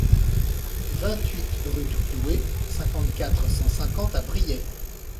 vingt-huit rue du Cloué, cinquante-quatre, cent cinquante à Briey